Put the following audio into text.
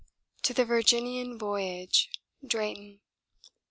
'To the Virginian Voyage.' DRAYTON.